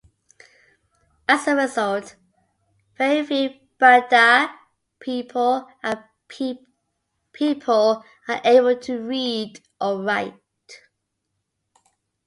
As a result, very few Baduy people are able to read or write.